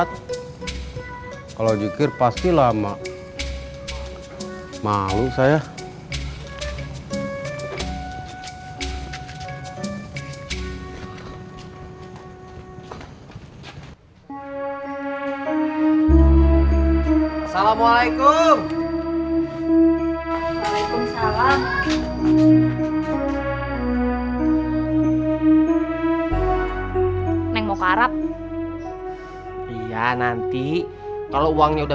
sampai jumpa di video selanjutnya